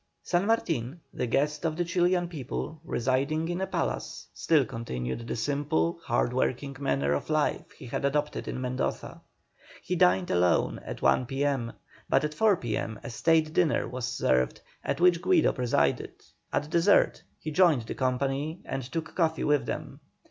San Martin, the guest of the Chilian people, residing in a palace, still continued the simple, hard working manner of life he had adopted in Mendoza. He dined alone at 1 P.M., but at 4 P.M. a state dinner was served at which Guido presided. At dessert he joined the company and took coffee with them.